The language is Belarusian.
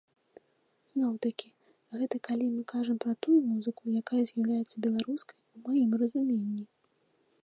Зноў-такі, гэта калі мы кажам пра тую музыку, якая з'яўляецца беларускай у маім разуменні.